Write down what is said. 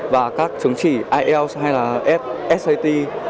và các chứng chỉ ielts hay là sat